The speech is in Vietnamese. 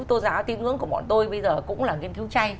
tôn giáo tín ngưỡng của bọn tôi bây giờ cũng là nghiên cứu chay